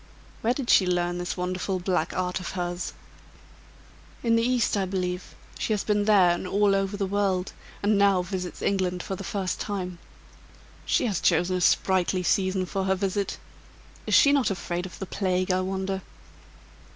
"Where did she learn this wonderful black art of hers?" "In the East, I believe. She has been there and all over the world; and now visits England for the first time." "She has chosen a sprightly season for her visit. Is she not afraid of the plague, I wonder?"